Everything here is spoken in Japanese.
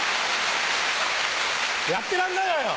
やってらんないわよ！